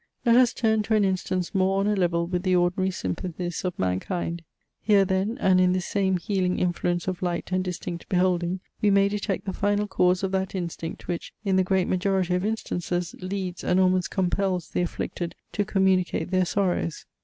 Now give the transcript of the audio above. Let us turn to an instance more on a level with the ordinary sympathies of mankind. Here then, and in this same healing influence of Light and distinct Beholding, we may detect the final cause of that instinct which, in the great majority of instances, leads, and almost compels the Afflicted to communicate their sorrows.